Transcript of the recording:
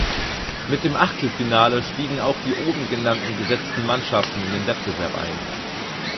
Mit dem Achtelfinale stiegen auch die oben genannten gesetzten Mannschaften in den Wettbewerb ein.